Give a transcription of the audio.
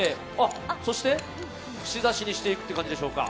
そして、くし刺しにしていく感じでしょうか。